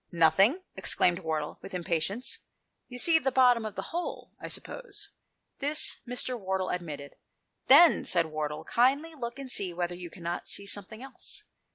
"Nothing?" exclaimed Wardle with im patience. "You see the bottom of the hole, I suppose?" This Mr. Batchel admitted. " Then," said Wardle, " kindly look and see whether you cannot see something else."